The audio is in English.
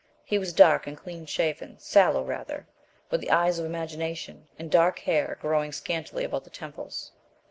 He was dark and clean shaven sallow rather, with the eyes of imagination, and dark hair growing scantily about the temples.